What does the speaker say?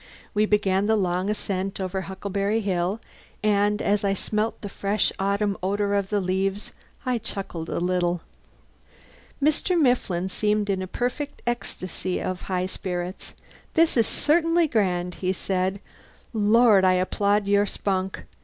We began the long ascent over Huckleberry Hill and as I smelt the fresh autumn odour of the leaves I chuckled a little. Mr. Mifflin seemed in a perfect ecstasy of high spirits. "This is certainly grand," he said. "Lord, I applaud your spunk.